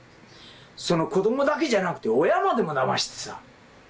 その子どもだけじゃなくて、親までもだましてさ。